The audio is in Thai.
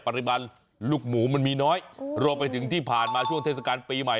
ปริมาณลูกหมูมันมีน้อยรวมไปถึงที่ผ่านมาช่วงเทศกาลปีใหม่